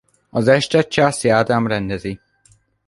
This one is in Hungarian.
Az estet Császi Ádám rendezi.